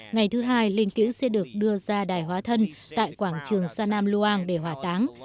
ngày thứ hai linh cữu sẽ được đưa ra đài hóa thân tại quảng trường sa nam luang để hỏa táng